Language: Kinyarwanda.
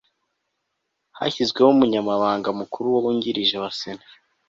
hashyizweho umunyamabanga mukuru wungirije wa sena